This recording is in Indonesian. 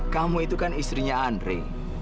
kamu itu kan istrinya andre